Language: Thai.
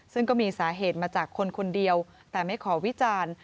ซึ่งก็มีสาเหตุมาจากคนคนเดียวแต่ไม่ขอวิจารณ์